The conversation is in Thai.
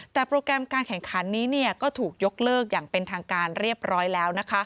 แต่โปรแกรมการแข่งขันนี้ก็ถูกยกเลิกอย่างเป็นทางการเรียบร้อยแล้ว